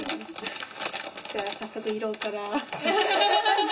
じゃあ早速胃ろうから。